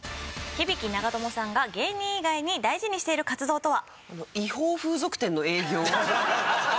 響長友さんが芸人以外に大事にしている活動とは？